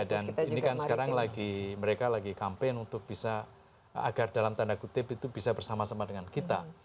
dan ini kan sekarang lagi mereka lagi campaign untuk bisa agar dalam tanda kutip itu bisa bersama sama dengan kita